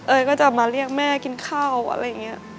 ก็จะมาเรียกแม่กินข้าวอะไรอย่างนี้